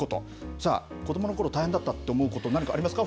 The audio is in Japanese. さあ、子どものころ、大変だったって思うこと、何かありますか？